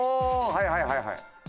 はいはいはいはい。